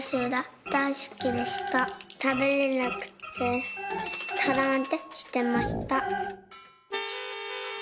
たべれなくてタラーンってしてました」。